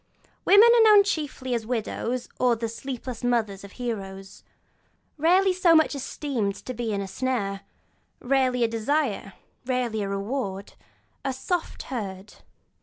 Women are known chiefly as the widows and the 'sleepless' mothers of heroes; rarely so much esteemed as to be a snare, rarely a desire, rarely a reward; 'a soft herd.'